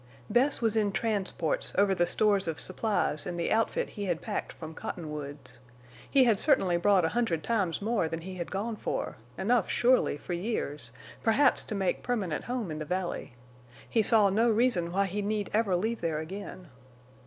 Bess was in transports over the stores of supplies and the outfit he had packed from Cottonwoods. He had certainly brought a hundred times more than he had gone for; enough, surely, for years, perhaps to make permanent home in the valley. He saw no reason why he need ever leave there again.